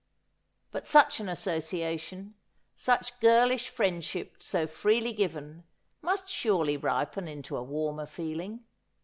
But such an association, such girlish friendship so freely given, must surely ripen into a warmer feeling.